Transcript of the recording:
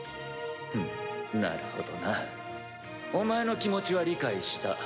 ふむなるほどなお前の気持ちは理解した。